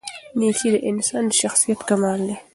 نېکي د انسان د شخصیت کمال دی.